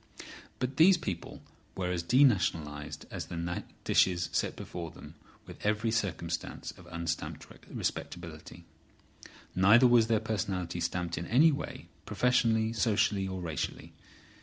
But these people were as denationalised as the dishes set before them with every circumstance of unstamped respectability. Neither was their personality stamped in any way, professionally, socially or racially.